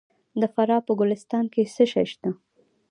د فراه په ګلستان کې څه شی شته؟